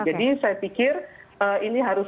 jadi saya pikir ini harus